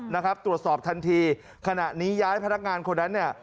นะครับตรวจสอบทันทีขณะนี้ย้ายพนักงานคนนั้นเนี่ย